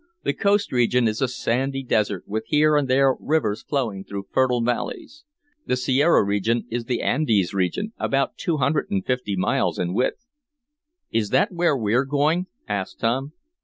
The coast region is a sandy desert, with here and there rivers flowing through fertile valleys. The sierra region is the Andes division, about two hundred and fifty miles in width." "Is that where we're going?" asked Tom.